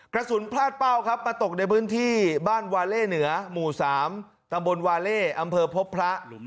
กระสุนพลาดเป้าครับมาตกในพื้นที่บ้านวาเล่เหนือหมู่๓ตำบลวาเล่อำเภอพบพระ